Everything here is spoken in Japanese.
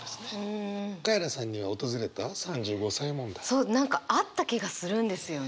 そう何かあった気がするんですよね。